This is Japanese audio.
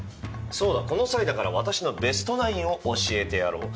そうだこの際だから私のベストナインを教えてやろう。